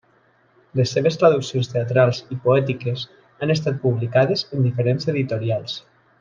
Les seves traduccions teatrals i poètiques han estat publicades en diferents editorials.